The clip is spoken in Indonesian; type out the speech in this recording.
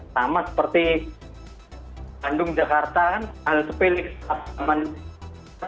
sama seperti bandung jakarta kan ada sepilih teman teman